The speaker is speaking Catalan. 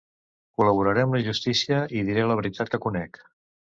Col·laboraré amb la justícia i diré la veritat que conec.